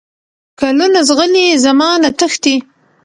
کلونه زغلي، زمانه تښتي